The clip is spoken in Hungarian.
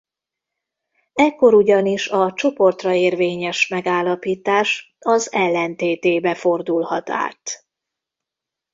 Ekkor ugyanis a csoportra érvényes megállapítás az ellentétébe fordulhat át.